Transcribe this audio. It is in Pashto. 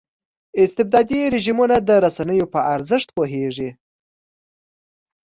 استبدادي رژیمونه د رسنیو په ارزښت پوهېږي.